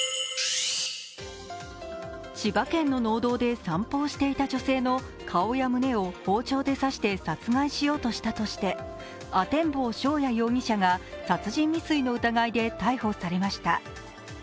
千葉県の農道で散歩をしていた女性の顔や胸を包丁で刺して殺害しようとしたとして阿天坊翔也容疑者が殺人未遂の疑いで逮捕されました。